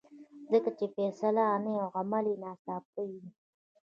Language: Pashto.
ځکه یې فیصله آني او عمل یې ناڅاپي وي.